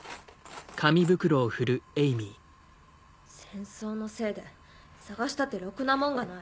戦争のせいで探したってろくなもんがない。